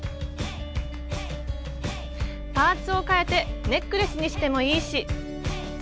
パーツをかえてネックレスにしてもいいし。